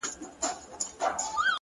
نن دې تصوير زما پر ژړا باندې راوښويدی!